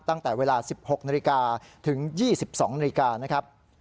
ตั้งแต่เวลา๑๖นถึง๒๒นนะครับ